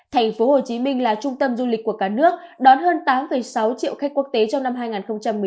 tp hcm là trung tâm du lịch của cả nước đón hơn tám sáu triệu khách quốc tế trong năm hai nghìn một mươi chín